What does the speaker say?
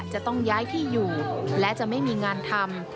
จะต้องย้ายที่อยู่และจะไม่มีงานทำ